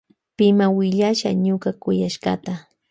Pima willasha ñuka yuyashkata.